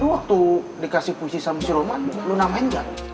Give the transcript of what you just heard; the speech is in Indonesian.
lo waktu dikasih puisi sama si roman lo namain ga